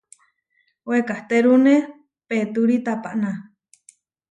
Wekatérune petúri tapaná.